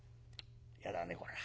嫌だねこりゃ。